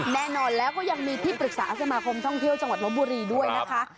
แน่นอนแล้วก็ยังมีที่ปรึกษาสมาคมท่องเที่ยวจังหวัดลบบุรีด้วยนะคะ